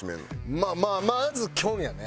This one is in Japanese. まあまあまずきょんやね。